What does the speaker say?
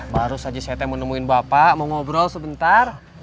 baru saja saya mau nemuin bapak mau ngobrol sebentar